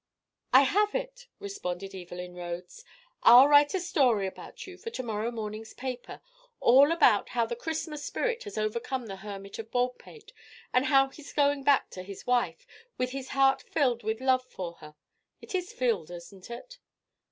"I have it," responded Evelyn Rhodes. "I'll write a story about you for to morrow morning's paper. All about how the Christmas spirit has overcome the Hermit of Baldpate, and how he's going back to his wife, with his heart filled with love for her it is filled, isn't it?"